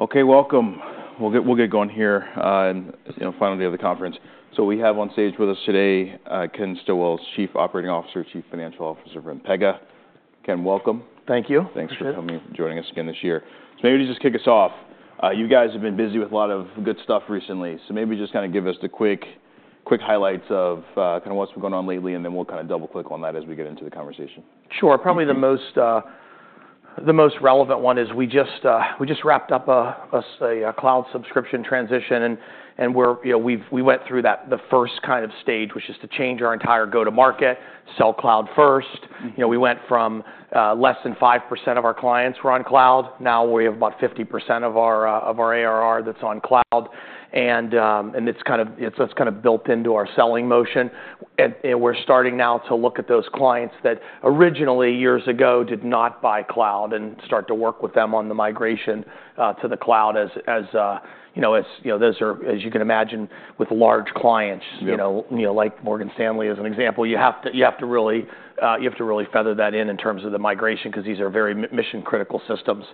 Okay, welcome. We'll get going here on the final day of the conference. So we have on stage with us today Ken Stillwell, Chief Operating Officer, Chief Financial Officer of Pega. Ken, welcome. Thank you. Thanks for coming and joining us again this year. So maybe to just kick us off, you guys have been busy with a lot of good stuff recently. So maybe just kind of give us the quick highlights of kind of what's been going on lately, and then we'll kind of double-click on that as we get into the conversation. Sure. Probably the most relevant one is we just wrapped up a cloud subscription transition, and we went through the first kind of stage, which is to change our entire go-to-market, sell cloud first. We went from less than 5% of our clients were on cloud. Now we have about 50% of our ARR that's on cloud, and that's kind of built into our selling motion. And we're starting now to look at those clients that originally, years ago, did not buy cloud and start to work with them on the migration to the cloud. As you can imagine, with large clients like Morgan Stanley, as an example, you have to really feather that in terms of the migration because these are very mission-critical systems.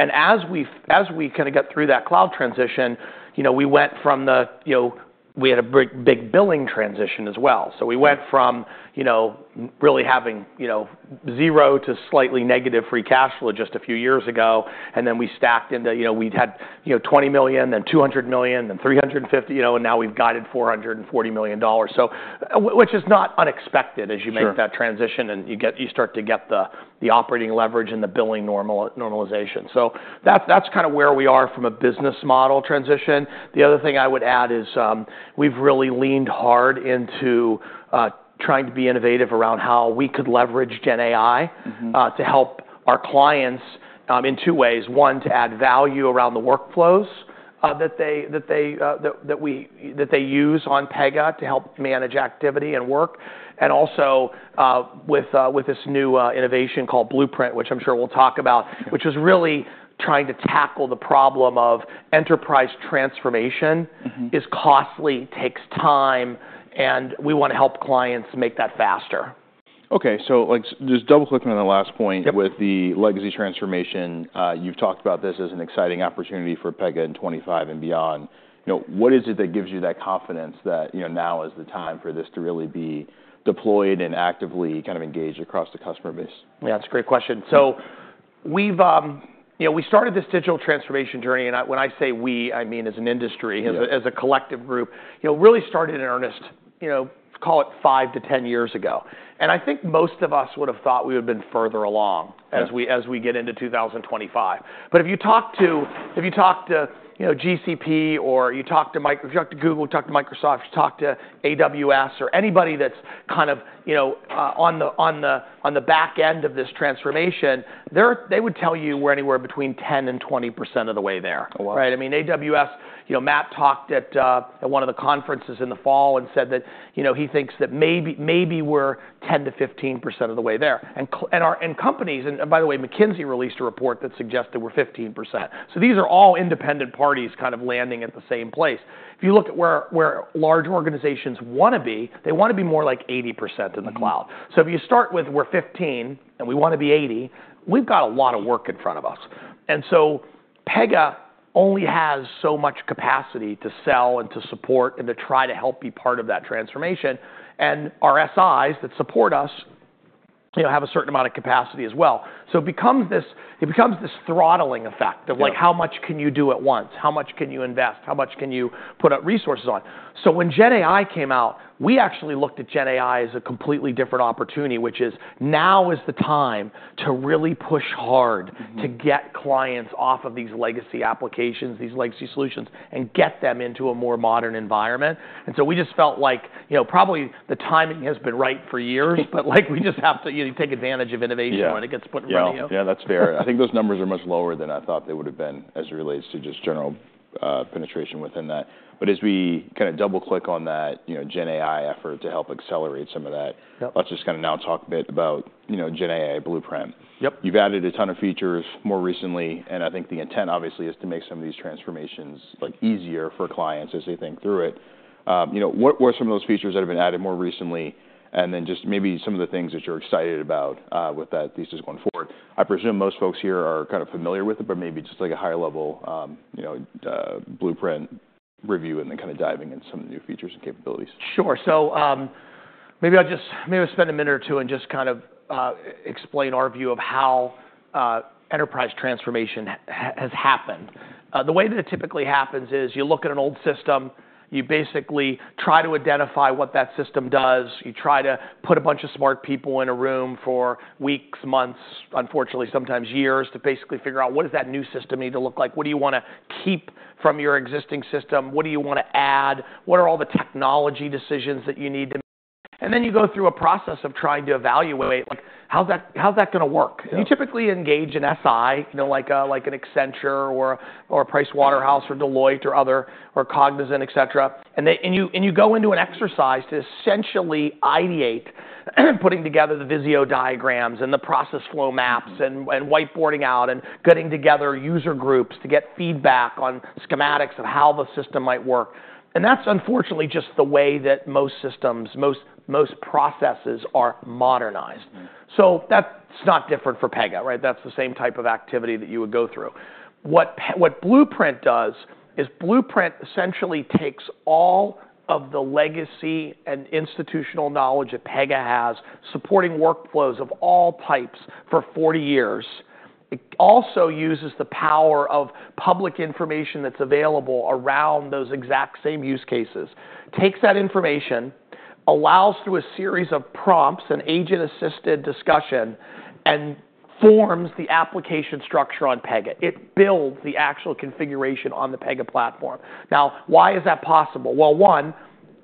And as we kind of got through that cloud transition, we went from we had a big billing transition as well. We went from really having zero to slightly negative free cash flow just a few years ago, and then we stacked into we had $20 million, then $200 million, then $350 million, and now we've guided $440 million, which is not unexpected as you make that transition and you start to get the operating leverage and the billing normalization. That's kind of where we are from a business model transition. The other thing I would add is we've really leaned hard into trying to be innovative around how we could leverage GenAI to help our clients in two ways. One, to add value around the workflows that they use on Pega to help manage activity and work. Also with this new innovation called Blueprint, which I'm sure we'll talk about, which was really trying to tackle the problem of enterprise transformation is costly, takes time, and we want to help clients make that faster. Just double-clicking on the last point with the legacy transformation, you've talked about this as an exciting opportunity for Pega in 2025 and beyond. What is it that gives you that confidence that now is the time for this to really be deployed and actively kind of engaged across the customer base? Yeah, that's a great question. So we started this digital transformation journey, and when I say we, I mean as an industry, as a collective group, really started in earnest, call it five to 10 years ago. And I think most of us would have thought we would have been further along as we get into 2025. But if you talk to GCP or you talk to Google, you talk to Microsoft, you talk to AWS or anybody that's kind of on the back end of this transformation, they would tell you we're anywhere between 10% and 20% of the way there. I mean, AWS, Matt talked at one of the conferences in the fall and said that he thinks that maybe we're 10%-15% of the way there. And companies, and by the way, McKinsey released a report that suggested we're 15%. So these are all independent parties kind of landing at the same place. If you look at where large organizations want to be, they want to be more like 80% in the cloud. So if you start with we're 15% and we want to be 80%, we've got a lot of work in front of us. And so Pega only has so much capacity to sell and to support and to try to help be part of that transformation. And our SIs that support us have a certain amount of capacity as well. So it becomes this throttling effect of how much can you do at once, how much can you invest, how much can you put resources on. So when GenAI came out, we actually looked at GenAI as a completely different opportunity, which is now the time to really push hard to get clients off of these legacy applications, these legacy solutions, and get them into a more modern environment. And so we just felt like probably the timing has been right for years, but we just have to take advantage of innovation when it gets put in front of you. Yeah, that's fair. I think those numbers are much lower than I thought they would have been as it relates to just general penetration within that. But as we kind of double-click on that GenAI effort to help accelerate some of that, let's just kind of now talk a bit about GenAI at Blueprint. You've added a ton of features more recently, and I think the intent obviously is to make some of these transformations easier for clients as they think through it. What were some of those features that have been added more recently? And then just maybe some of the things that you're excited about with that thesis going forward. I presume most folks here are kind of familiar with it, but maybe just like a higher level Blueprint review and then kind of diving into some of the new features and capabilities. Sure. So maybe I'll just spend a minute or two and just kind of explain our view of how enterprise transformation has happened. The way that it typically happens is you look at an old system, you basically try to identify what that system does, you try to put a bunch of smart people in a room for weeks, months, unfortunately sometimes years to basically figure out what does that new system need to look like, what do you want to keep from your existing system, what do you want to add, what are all the technology decisions that you need to make, and then you go through a process of trying to evaluate how's that going to work. You typically engage an SI like an Accenture or Pricewaterhouse or Deloitte or Cognizant, etc. You go into an exercise to essentially ideate putting together the Visio diagrams and the process flow maps and whiteboarding out and getting together user groups to get feedback on schematics of how the system might work. That's unfortunately just the way that most systems, most processes are modernized. That's not different for Pega, right? That's the same type of activity that you would go through. What Blueprint does is Blueprint essentially takes all of the legacy and institutional knowledge that Pega has supporting workflows of all types for 40 years. It also uses the power of public information that's available around those exact same use cases, takes that information, allows through a series of prompts and agent-assisted discussion, and forms the application structure on Pega. It builds the actual configuration on the Pega platform. Now, why is that possible? Well, one.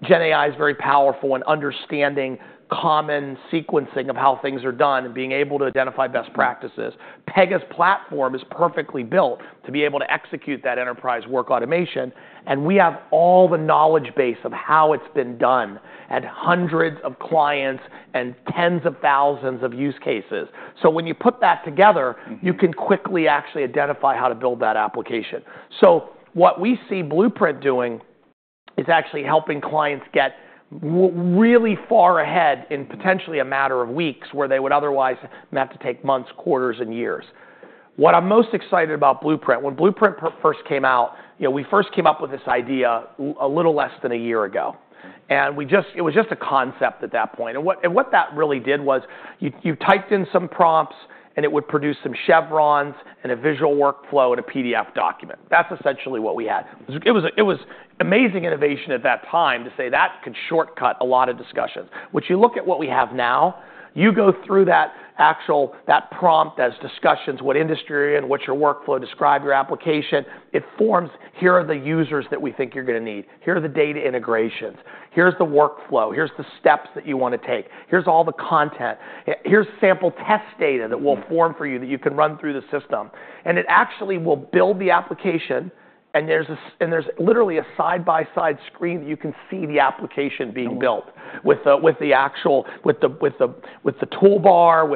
GenAI is very powerful in understanding common sequencing of how things are done and being able to identify best practices. Pega's platform is perfectly built to be able to execute that enterprise work automation, and we have all the knowledge base of how it's been done at hundreds of clients and tens of thousands of use cases. So when you put that together, you can quickly actually identify how to build that application. So what we see Blueprint doing is actually helping clients get really far ahead in potentially a matter of weeks where they would otherwise have to take months, quarters, and years. What I'm most excited about Blueprint, when Blueprint first came out, we first came up with this idea a little less than a year ago, and it was just a concept at that point. And what that really did was you typed in some prompts and it would produce some chevrons and a visual workflow and a PDF document. That's essentially what we had. It was amazing innovation at that time to say that could shortcut a lot of discussions. But you look at what we have now. You go through that prompt as discussions, what industry you're in, what's your workflow, describe your application. It forms. Here are the users that we think you're going to need. Here are the data integrations. Here's the workflow. Here's the steps that you want to take. Here's all the content. Here's sample test data that we'll form for you that you can run through the system, and it actually will build the application, and there's literally a side-by-side screen that you can see the application being built with the toolbar,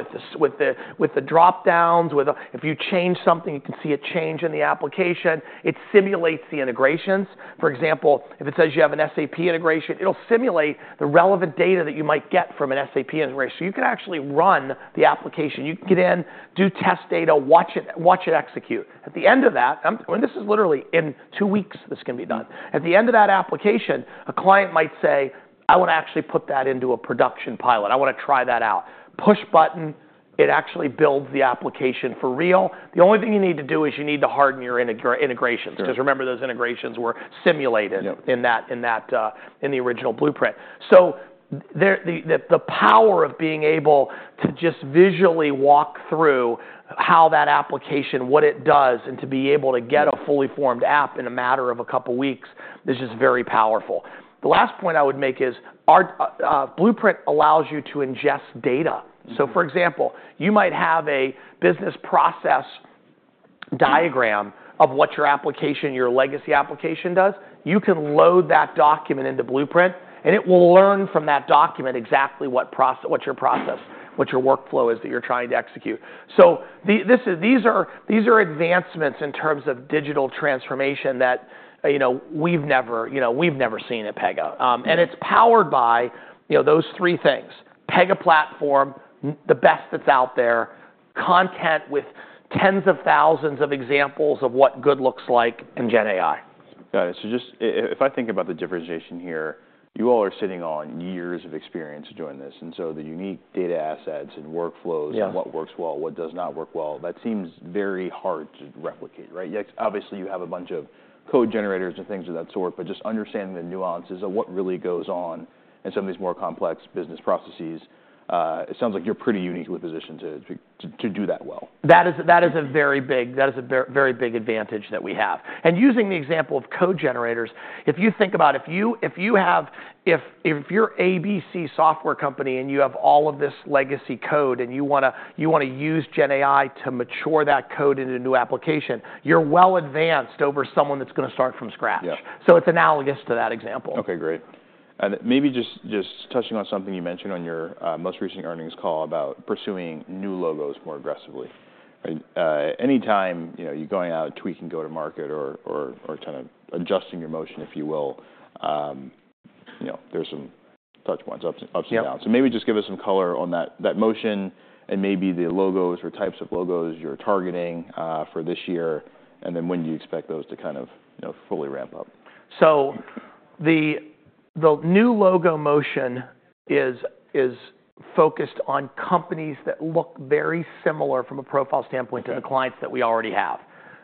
with the dropdowns. If you change something, you can see a change in the application. It simulates the integrations. For example, if it says you have an SAP integration, it'll simulate the relevant data that you might get from an SAP integration. So you can actually run the application. You can get in, do test data, watch it execute. At the end of that, and this is literally in two weeks this can be done. At the end of that application, a client might say, "I want to actually put that into a production pilot. I want to try that out." Push button, it actually builds the application for real. The only thing you need to do is you need to harden your integrations because remember those integrations were simulated in the original Blueprint. So the power of being able to just visually walk through how that application, what it does, and to be able to get a fully formed app in a matter of a couple of weeks is just very powerful. The last point I would make is Blueprint allows you to ingest data. So for example, you might have a business process diagram of what your application, your legacy application does. You can load that document into Blueprint, and it will learn from that document exactly what your process, what your workflow is that you're trying to execute. So these are advancements in terms of digital transformation that we've never seen at Pega. And it's powered by those three things: Pega Platform, the best that's out there, content with tens of thousands of examples of what good looks like in GenAI. Got it. So just if I think about the differentiation here, you all are sitting on years of experience doing this. And so the unique data assets and workflows and what works well, what does not work well, that seems very hard to replicate, right? Obviously, you have a bunch of code generators and things of that sort, but just understanding the nuances of what really goes on in some of these more complex business processes, it sounds like you're pretty uniquely positioned to do that well. That is a very big advantage that we have. Using the example of code generators, if you think about if you're ABC software company and you have all of this legacy code and you want to use GenAI to migrate that code into a new application, you're well advanced over someone that's going to start from scratch. It's analogous to that example. Okay, great. And maybe just touching on something you mentioned on your most recent earnings call about pursuing new logos more aggressively. Anytime you're going out tweaking go-to-market or kind of adjusting your motion, if you will, there's some touch points upside down. So maybe just give us some color on that motion and maybe the logos or types of logos you're targeting for this year and then when do you expect those to kind of fully ramp up? So the new logo motion is focused on companies that look very similar from a profile standpoint to the clients that we already have.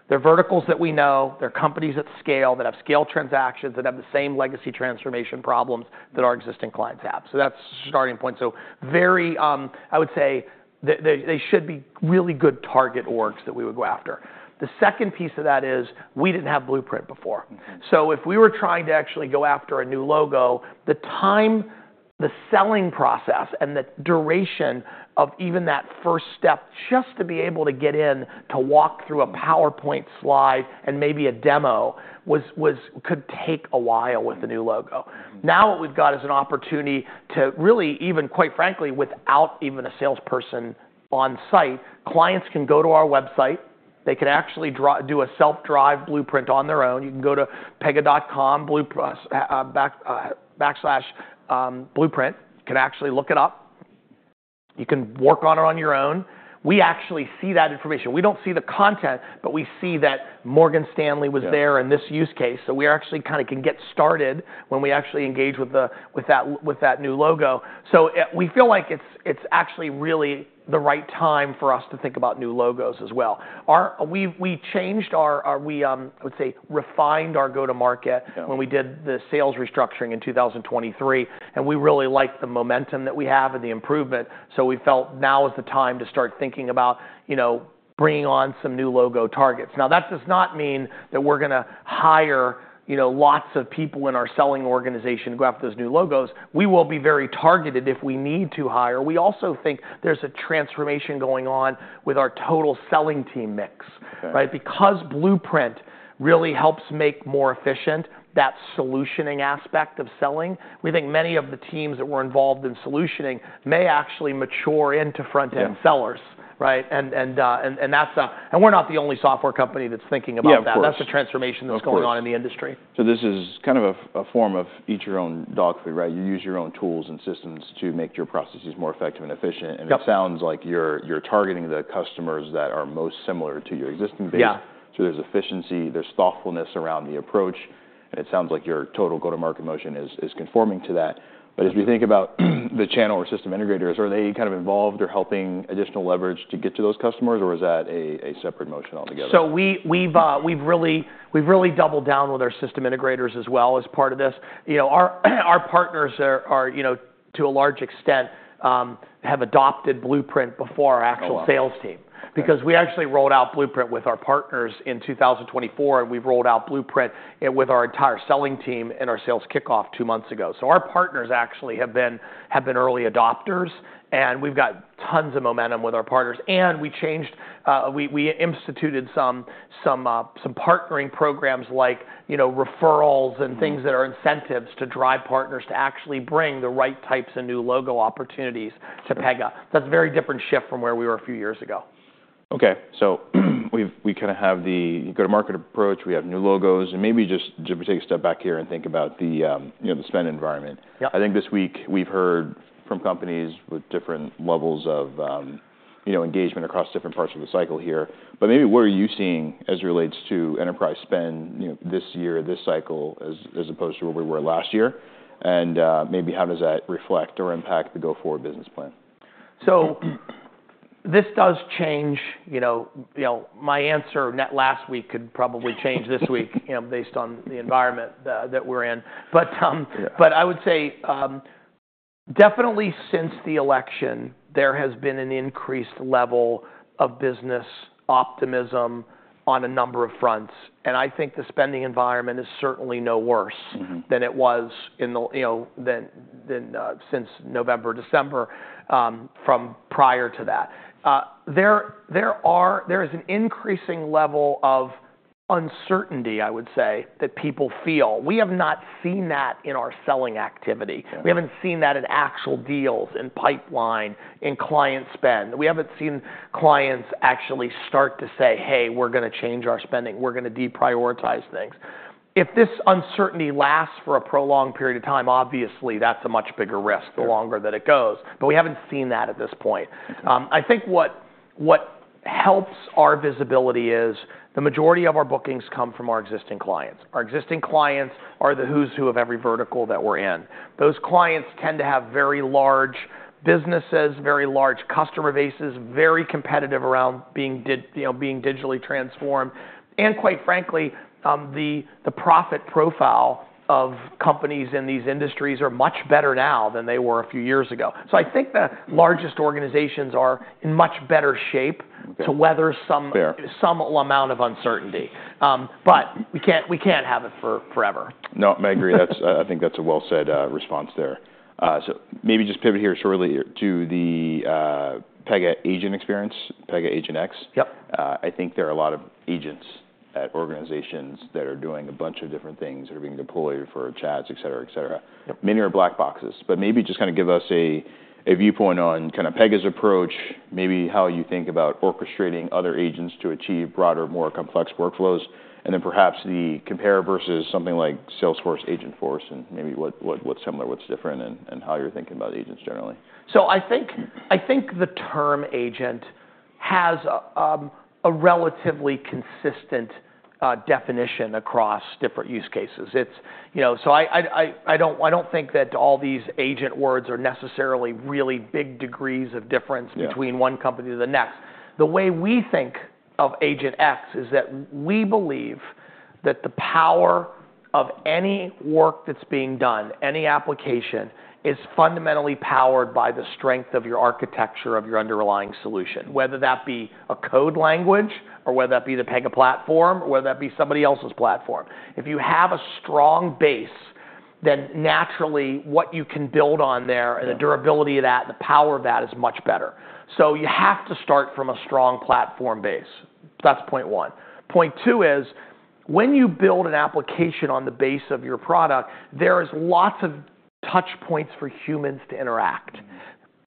They're verticals that we know. They're companies at scale that have scale transactions that have the same legacy transformation problems that our existing clients have. So that's a starting point. So very, I would say they should be really good target orgs that we would go after. The second piece of that is we didn't have Blueprint before. So if we were trying to actually go after a new logo, the time, the selling process, and the duration of even that first step just to be able to get in to walk through a PowerPoint slide and maybe a demo could take a while with the new logo. Now what we've got is an opportunity to really, even quite frankly, without even a salesperson on site, clients can go to our website. They can actually do a self-drive Blueprint on their own. You can go to pega.com/blueprint. You can actually look it up. You can work on it on your own. We actually see that information. We don't see the content, but we see that Morgan Stanley was there in this use case. So we actually kind of can get started when we actually engage with that new logo. So we feel like it's actually really the right time for us to think about new logos as well. We changed our, I would say, refined our go-to-market when we did the sales restructuring in 2023, and we really liked the momentum that we have and the improvement. So we felt now is the time to start thinking about bringing on some new logo targets. Now, that does not mean that we're going to hire lots of people in our selling organization to go after those new logos. We will be very targeted if we need to hire. We also think there's a transformation going on with our total selling team mix, right? Because Blueprint really helps make more efficient that solutioning aspect of selling. We think many of the teams that were involved in solutioning may actually mature into front-end sellers, right? And we're not the only software company that's thinking about that. That's the transformation that's going on in the industry. So this is kind of a form of eat your own dog food, right? You use your own tools and systems to make your processes more effective and efficient. And it sounds like you're targeting the customers that are most similar to your existing base. So there's efficiency, there's thoughtfulness around the approach, and it sounds like your total go-to-market motion is conforming to that. But as we think about the channel or system integrators, are they kind of involved or helping additional leverage to get to those customers, or is that a separate motion altogether? So we've really doubled down with our system integrators as well as part of this. Our partners are, to a large extent, have adopted Blueprint before our actual sales team because we actually rolled out Blueprint with our partners in 2024, and we've rolled out Blueprint with our entire selling team in our sales kickoff two months ago. So our partners actually have been early adopters, and we've got tons of momentum with our partners. And we instituted some partnering programs like referrals and things that are incentives to drive partners to actually bring the right types of new logo opportunities to Pega. That's a very different shift from where we were a few years ago. Okay, so we kind of have the go-to-market approach. We have new logos, and maybe just if we take a step back here and think about the spend environment. I think this week we've heard from companies with different levels of engagement across different parts of the cycle here, but maybe what are you seeing as it relates to enterprise spend this year, this cycle, as opposed to where we were last year? And maybe how does that reflect or impact the go-forward business plan? So this does change. My answer last week could probably change this week based on the environment that we're in. But I would say definitely since the election, there has been an increased level of business optimism on a number of fronts. And I think the spending environment is certainly no worse than it was since November, December from prior to that. There is an increasing level of uncertainty, I would say, that people feel. We have not seen that in our selling activity. We haven't seen that in actual deals and pipeline and client spend. We haven't seen clients actually start to say, "Hey, we're going to change our spending. We're going to deprioritize things." If this uncertainty lasts for a prolonged period of time, obviously that's a much bigger risk the longer that it goes. But we haven't seen that at this point. I think what helps our visibility is the majority of our bookings come from our existing clients. Our existing clients are the who's who of every vertical that we're in. Those clients tend to have very large businesses, very large customer bases, very competitive around being digitally transformed. And quite frankly, the profit profile of companies in these industries are much better now than they were a few years ago. So I think the largest organizations are in much better shape to weather some amount of uncertainty. But we can't have it forever. No, I agree. I think that's a well-said response there. So maybe just pivot here shortly to the Pega Agent Experience, Pega AgentX. I think there are a lot of agents at organizations that are doing a bunch of different things that are being deployed for chats, etc., etc. Many are black boxes. But maybe just kind of give us a viewpoint on kind of Pega's approach, maybe how you think about orchestrating other agents to achieve broader, more complex workflows, and then perhaps the compare versus something like Salesforce Agentforce and maybe what's similar, what's different, and how you're thinking about agents generally? So I think the term agent has a relatively consistent definition across different use cases. So I don't think that all these agent words are necessarily really big degrees of difference between one company to the next. The way we think of AgentX is that we believe that the power of any work that's being done, any application, is fundamentally powered by the strength of your architecture of your underlying solution, whether that be a code language or whether that be the Pega platform or whether that be somebody else's platform. If you have a strong base, then naturally what you can build on there and the durability of that and the power of that is much better. So you have to start from a strong platform base. That's point one. Point two is when you build an application on the base of your product, there are lots of touch points for humans to interact,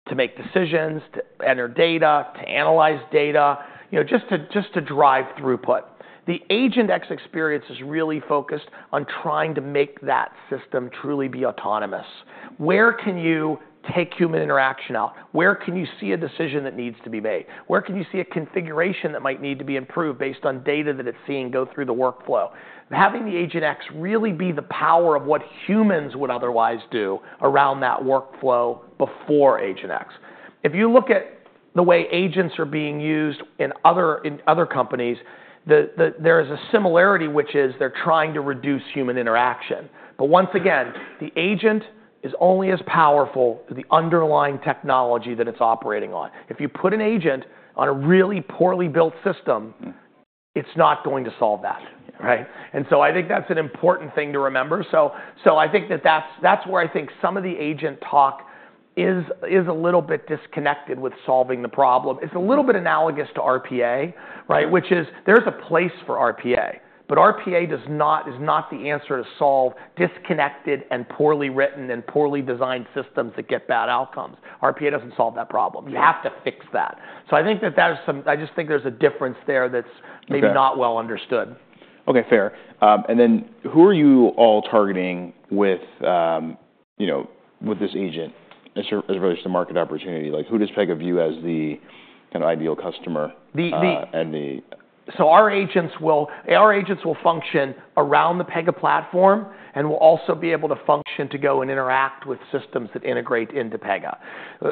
to make decisions, to enter data, to analyze data, just to drive throughput. The Pega AgentX experience is really focused on trying to make that system truly be autonomous. Where can you take human interaction out? Where can you see a decision that needs to be made? Where can you see a configuration that might need to be improved based on data that it's seeing go through the workflow? Having the Pega AgentX really be the power of what humans would otherwise do around that workflow before Pega AgentX. If you look at the way agents are being used in other companies, there is a similarity, which is they're trying to reduce human interaction. But once again, the agent is only as powerful as the underlying technology that it's operating on. If you put an agent on a really poorly built system, it's not going to solve that, right? And so I think that's an important thing to remember. So I think that that's where I think some of the agent talk is a little bit disconnected with solving the problem. It's a little bit analogous to RPA, right? Which is there's a place for RPA, but RPA is not the answer to solve disconnected and poorly written and poorly designed systems that get bad outcomes. RPA doesn't solve that problem. You have to fix that. So I think that there's some I just think there's a difference there that's maybe not well understood. Okay, fair. And then who are you all targeting with this agent as it relates to market opportunity? Who does Pega view as the kind of ideal customer? So our agents will function around the Pega Platform and will also be able to function to go and interact with systems that integrate into Pega.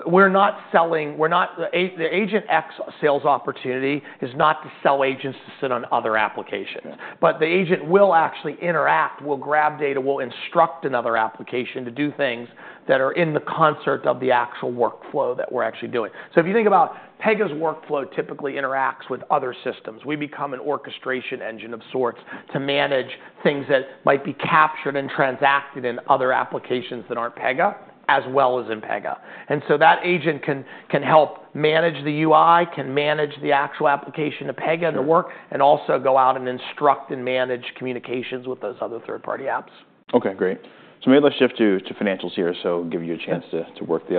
We're not selling. The AgentX sales opportunity is not to sell agents to sit on other applications. But the agent will actually interact, will grab data, will instruct another application to do things that are in concert with the actual workflow that we're actually doing. So if you think about Pega's workflow typically interacts with other systems. We become an orchestration engine of sorts to manage things that might be captured and transacted in other applications that aren't Pega as well as in Pega. And so that agent can help manage the UI, can manage the actual application to Pega and to work, and also go out and instruct and manage communications with those other third-party apps. Okay, great. So maybe let's shift to financials here so give you a chance to work the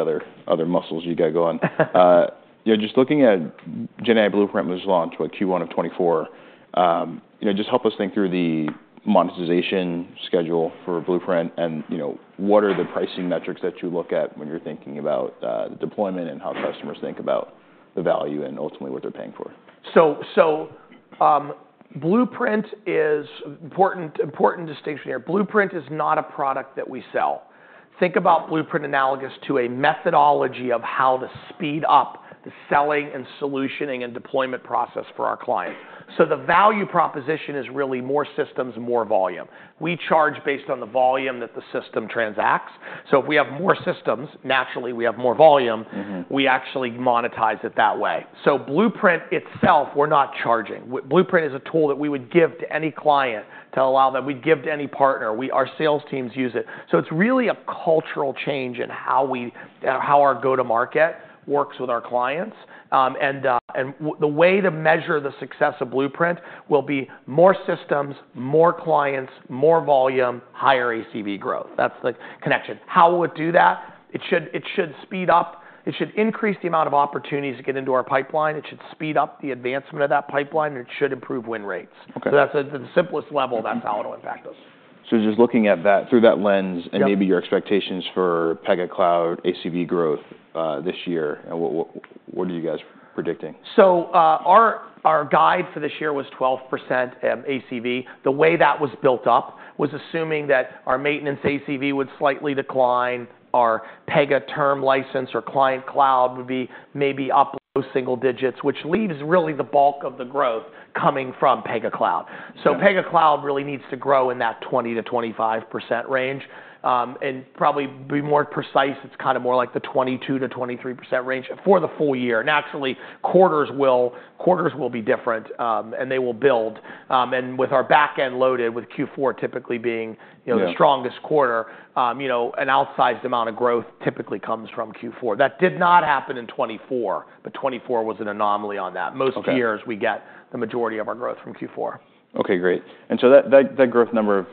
other muscles you got going. Just looking at GenAI Blueprint was launched Q1 of 2024. Just help us think through the monetization schedule for Blueprint and what are the pricing metrics that you look at when you're thinking about the deployment and how customers think about the value and ultimately what they're paying for. So Blueprint is an important distinction here. Blueprint is not a product that we sell. Think about Blueprint analogous to a methodology of how to speed up the selling and solutioning and deployment process for our clients. So the value proposition is really more systems, more volume. We charge based on the volume that the system transacts. So if we have more systems, naturally we have more volume. We actually monetize it that way. So Blueprint itself, we're not charging. Blueprint is a tool that we would give to any client to allow that we'd give to any partner. Our sales teams use it. So it's really a cultural change in how our go-to-market works with our clients. And the way to measure the success of Blueprint will be more systems, more clients, more volume, higher ACV growth. That's the connection. How will it do that? It should speed up. It should increase the amount of opportunities to get into our pipeline. It should speed up the advancement of that pipeline, and it should improve win rates. So that's at the simplest level. That's how it'll impact us. So just looking at that through that lens and maybe your expectations for Pega Cloud ACV growth this year, what are you guys predicting? So our guide for this year was 12% ACV. The way that was built up was assuming that our maintenance ACV would slightly decline. Our Pega Term license or Client Cloud would be maybe up those single digits, which leaves really the bulk of the growth coming from Pega Cloud. So Pega Cloud really needs to grow in that 20%-25% range. And probably be more precise, it's kind of more like the 22%-23% range for the full year. Naturally, quarters will be different, and they will build. And with our backend loaded with Q4 typically being the strongest quarter, an outsized amount of growth typically comes from Q4. That did not happen in 2024, but 2024 was an anomaly on that. Most years, we get the majority of our growth from Q4. Okay, great. And so that growth number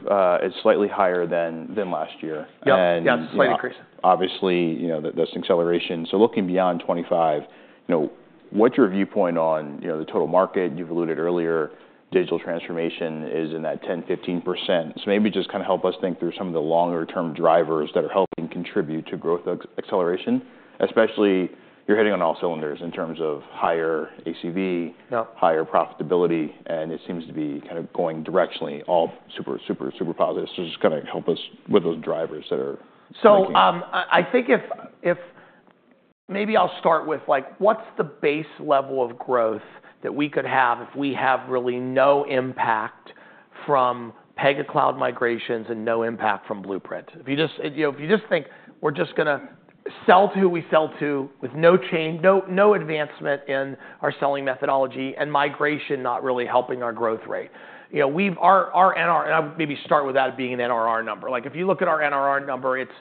is slightly higher than last year. Yep. Yeah, it's a slight increase. Obviously, that's acceleration. So looking beyond 2025, what's your viewpoint on the total market? You've alluded earlier digital transformation is in that 10%, 15%. So maybe just kind of help us think through some of the longer-term drivers that are helping contribute to growth acceleration, especially you're hitting on all cylinders in terms of higher ACV, higher profitability, and it seems to be kind of going directionally all super, super, super positive. So just kind of help us with those drivers that are helpful. So, I think if maybe I'll start with what's the base level of growth that we could have if we have really no impact from Pega Cloud migrations and no impact from Blueprint. If you just think we're just going to sell to who we sell to with no change, no advancement in our selling methodology, and migration not really helping our growth rate. And I'll maybe start with that being an NRR number. If you look at our NRR number, it's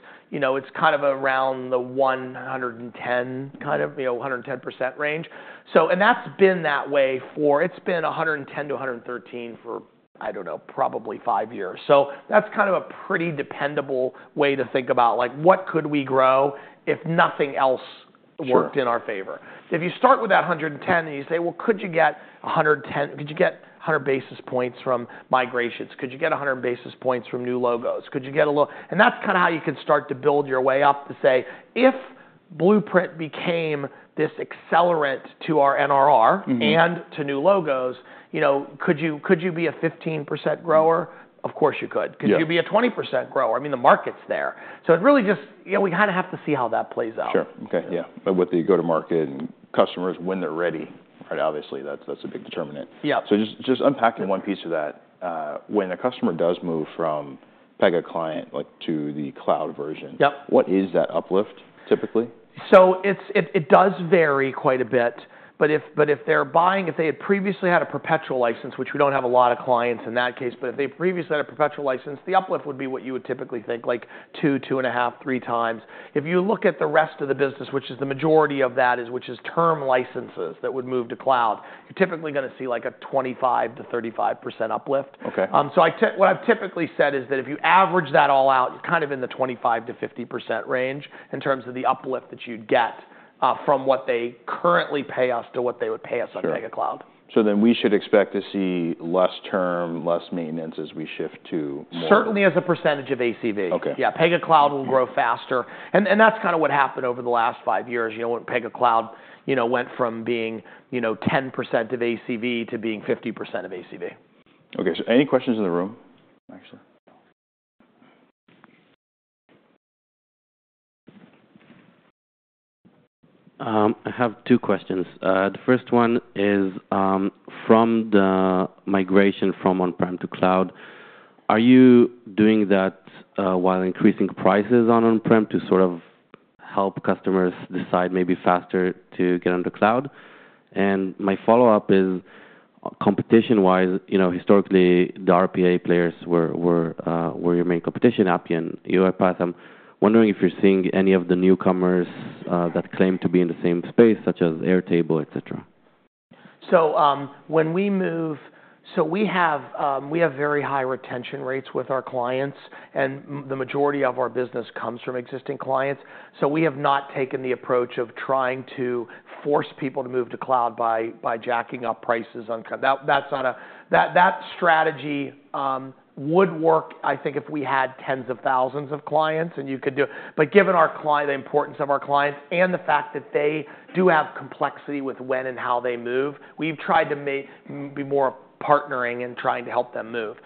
kind of around the 110, kind of 110% range. And that's been that way for 110%-113% for, I don't know, probably five years. So that's kind of a pretty dependable way to think about what could we grow if nothing else worked in our favor. If you start with that 110 and you say, "Well, could you get 110%? Could you get 100 basis points from migrations? Could you get 100 basis points from new logos? Could you get a little? And that's kind of how you could start to build your way up to say, "If Blueprint became this accelerant to our NRR and to new logos, could you be a 15% grower?" Of course you could. Could you be a 20% grower? I mean, the market's there. So it really just we kind of have to see how that plays out. Sure. Okay. Yeah. But with the go-to-market and customers when they're ready, obviously that's a big determinant. So just unpacking one piece of that. When a customer does move from Pega Client to the cloud version, what is that uplift typically? So it does vary quite a bit. But if they're buying, if they had previously had a perpetual license, which we don't have a lot of clients in that case, but if they previously had a perpetual license, the uplift would be what you would typically think, like two, two and a half, three times. If you look at the rest of the business, which is the majority of that, which is term licenses that would move to cloud, you're typically going to see like a 25%-35% uplift. So what I've typically said is that if you average that all out, you're kind of in the 25%-50% range in terms of the uplift that you'd get from what they currently pay us to what they would pay us on Pega Cloud. We should expect to see less term, less maintenance as we shift to more. Certainly as a percentage of ACV. Yeah. Pega Cloud will grow faster. And that's kind of what happened over the last five years when Pega Cloud went from being 10% of ACV to being 50% of ACV. Okay, so any questions in the room, actually? I have two questions. The first one is from the migration from on-prem to cloud. Are you doing that while increasing prices on on-prem to sort of help customers decide maybe faster to get on the cloud? And my follow-up is competition-wise, historically, the RPA players were your main competition, Appian and UiPath. I'm wondering if you're seeing any of the newcomers that claim to be in the same space, such as Airtable, etc. So when we move, we have very high retention rates with our clients, and the majority of our business comes from existing clients. So we have not taken the approach of trying to force people to move to cloud by jacking up prices. That strategy would work, I think, if we had tens of thousands of clients and you could do it. But given the importance of our clients and the fact that they do have complexity with when and how they move, we've tried to be more partnering and trying to help them move.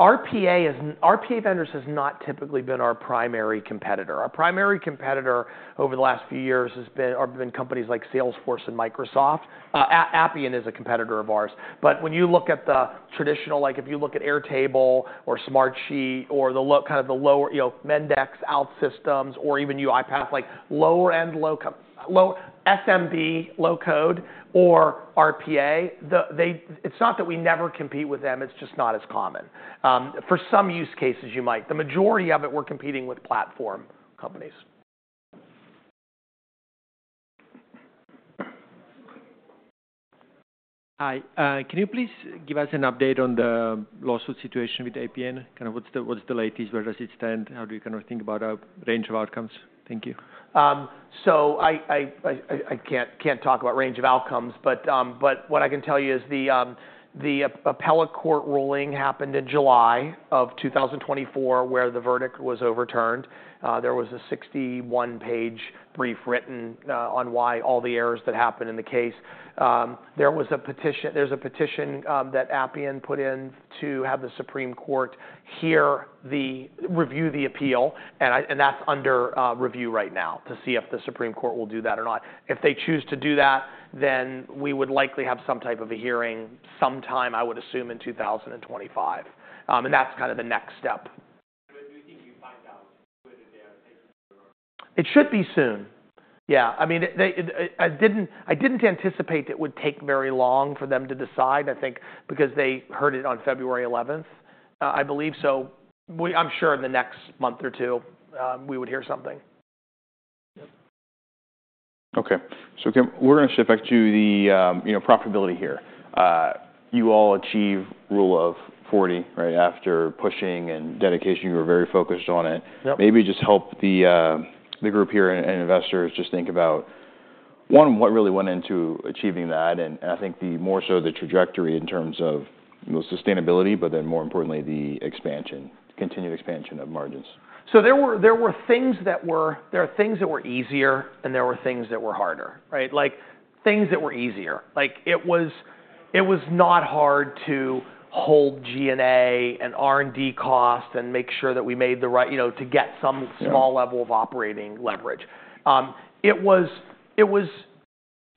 RPA vendors has not typically been our primary competitor. Our primary competitor over the last few years have been companies like Salesforce and Microsoft. Appian is a competitor of ours. But when you look at the traditional, like if you look at Airtable or Smartsheet or kind of the lower Mendix, OutSystems, or even UiPath, like lower-end low SMB, low code or RPA, it's not that we never compete with them. It's just not as common. For some use cases, you might. The majority of it, we're competing with platform companies. Hi. Can you please give us an update on the lawsuit situation with Appian? Kind of what's the latest? Where does it stand? How do you kind of think about a range of outcomes? Thank you. So I can't talk about range of outcomes, but what I can tell you is the appellate court ruling happened in July of 2024 where the verdict was overturned. There was a 61-page brief written on why all the errors that happened in the case. There was a petition. There's a petition that Appian put in to have the Supreme Court review the appeal. And that's under review right now to see if the Supreme Court will do that or not. If they choose to do that, then we would likely have some type of a hearing sometime, I would assume, in 2025. And that's kind of the next step. When do you think you find out? It should be soon. Yeah. I mean, I didn't anticipate it would take very long for them to decide, I think, because they heard it on February 11th, I believe. So I'm sure in the next month or two, we would hear something. Okay, so we're going to shift back to the profitability here. You all achieve Rule of 40, right? After pushing and dedication, you were very focused on it. Maybe just help the group here and investors just think about, one, what really went into achieving that, and I think more so the trajectory in terms of sustainability, but then more importantly, the expansion, continued expansion of margins. There were things that were easier, and there were things that were harder, right? Things that were easier. It was not hard to hold G&A and R&D costs and make sure that we made the right to get some small level of operating leverage. It was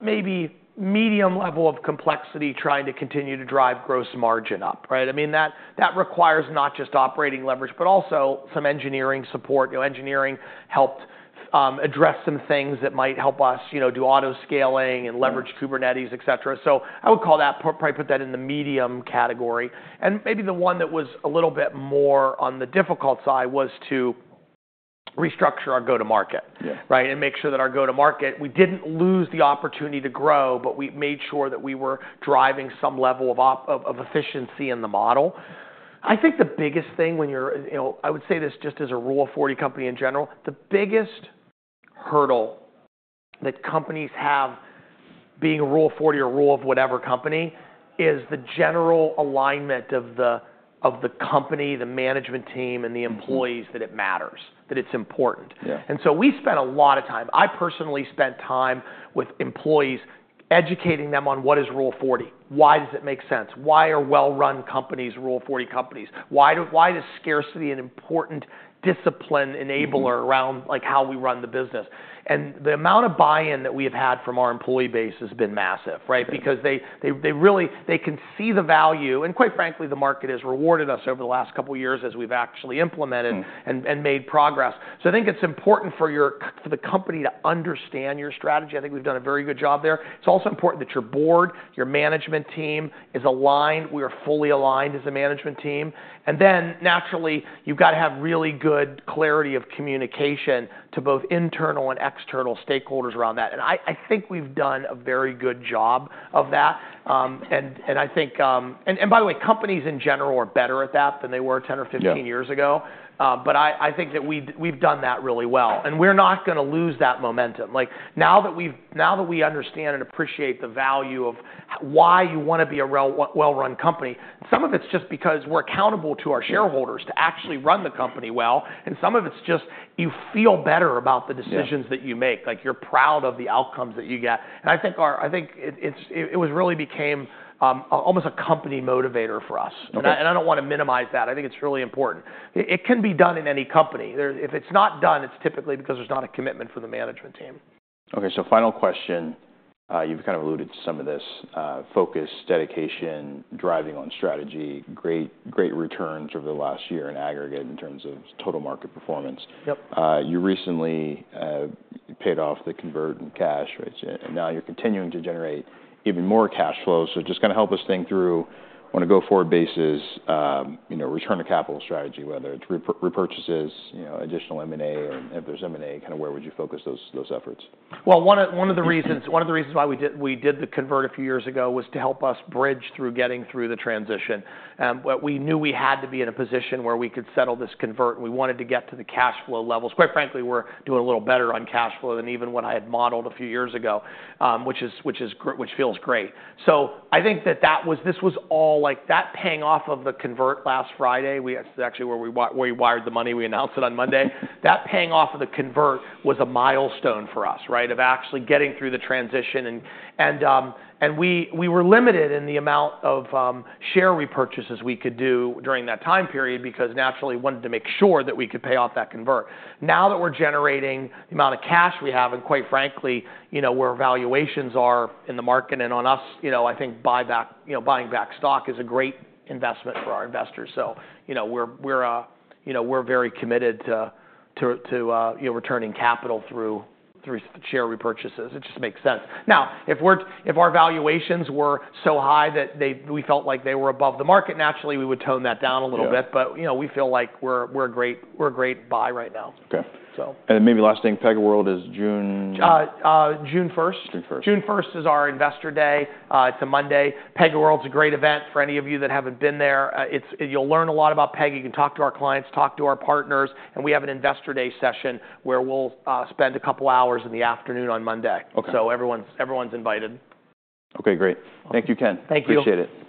maybe medium level of complexity trying to continue to drive gross margin up, right? I mean, that requires not just operating leverage, but also some engineering support. Engineering helped address some things that might help us do auto scaling and leverage Kubernetes, etc. I would call that probably put that in the medium category. Maybe the one that was a little bit more on the difficult side was to restructure our go-to-market, right? And make sure that our go-to-market, we didn't lose the opportunity to grow, but we made sure that we were driving some level of efficiency in the model. I think the biggest thing when you're, I would say, this just as a Rule of 40 company in general, the biggest hurdle that companies have being a Rule of 40 or Rule of whatever company is the general alignment of the company, the management team, and the employees that it matters, that it's important. And so we spent a lot of time. I personally spent time with employees educating them on what is Rule of 40. Why does it make sense? Why are well-run companies Rule of 40 companies? Why does scarcity an important discipline enabler around how we run the business? And the amount of buy-in that we have had from our employee base has been massive, right? Because they can see the value. And quite frankly, the market has rewarded us over the last couple of years as we've actually implemented and made progress. So I think it's important for the company to understand your strategy. I think we've done a very good job there. It's also important that your board, your management team is aligned. We are fully aligned as a management team. And then naturally, you've got to have really good clarity of communication to both internal and external stakeholders around that. And I think we've done a very good job of that. And by the way, companies in general are better at that than they were 10 or 15 years ago. But I think that we've done that really well. And we're not going to lose that momentum. Now that we understand and appreciate the value of why you want to be a well-run company, some of it's just because we're accountable to our shareholders to actually run the company well, and some of it's just you feel better about the decisions that you make. You're proud of the outcomes that you get, and I think it really became almost a company motivator for us, and I don't want to minimize that. I think it's really important. It can be done in any company. If it's not done, it's typically because there's not a commitment from the management team. Okay. So final question. You've kind of alluded to some of this: focus, dedication, driving on strategy, great returns over the last year in aggregate in terms of total market performance. You recently paid off the convert and cash, right? And now you're continuing to generate even more cash flow. So just kind of help us think through on a go-forward basis, return to capital strategy, whether it's repurchases, additional M&A, or if there's M&A, kind of where would you focus those efforts? One of the reasons why we did the convert a few years ago was to help us bridge through getting through the transition. We knew we had to be in a position where we could settle this convert. We wanted to get to the cash flow levels. Quite frankly, we're doing a little better on cash flow than even what I had modeled a few years ago, which feels great. I think that this was all that paying off of the convert last Friday. This is actually where we wired the money. We announced it on Monday. That paying off of the convert was a milestone for us, right, of actually getting through the transition. We were limited in the amount of share repurchases we could do during that time period because naturally, we wanted to make sure that we could pay off that convert. Now that we're generating the amount of cash we have and quite frankly, where valuations are in the market and on us, I think buying back stock is a great investment for our investors. So we're very committed to returning capital through share repurchases. It just makes sense. Now, if our valuations were so high that we felt like they were above the market, naturally, we would tone that down a little bit. But we feel like we're a great buy right now. Okay. And maybe last thing, PegaWorld is June? June 1st. June 1st is our Investor Day. It's a Monday. PegaWorld's a great event for any of you that haven't been there. You'll learn a lot about Pega. You can talk to our clients, talk to our partners, and we have an investor day session where we'll spend a couple of hours in the afternoon on Monday, so everyone's invited. Okay. Great. Thank you, Ken. Thank you. Appreciate it.